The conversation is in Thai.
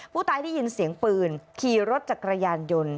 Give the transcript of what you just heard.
ได้ยินเสียงปืนขี่รถจักรยานยนต์